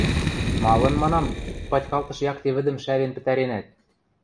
— Малын, манам, ик патькалтыш якте вӹдӹм шӓвен пӹтӓренӓт?